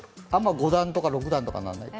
五段とか六段とかにならないと。